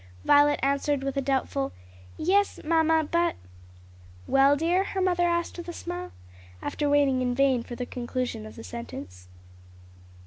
Violet answered with a doubtful "Yes, mamma, but " "Well, dear?" her mother asked with a smile, after waiting in vain for the conclusion of the sentence.